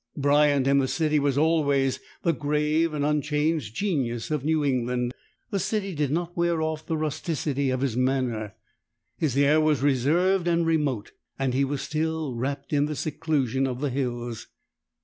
Bryant in the city was always the grave and unchanged genius of New England. The city did not wear off the rusticity of his manner. His air was reserved and remote, and he was still wrapped in the seclusion of the hills.